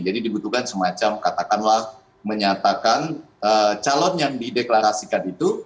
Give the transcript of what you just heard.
jadi dibutuhkan semacam katakanlah menyatakan calon yang dideklarasikan itu